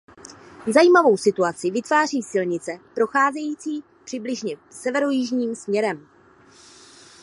Zajímavou situaci vytváří silnice procházející přibližně severojižním směrem.